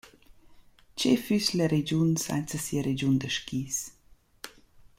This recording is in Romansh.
Che füss la regiun sainza sia regiun da skis?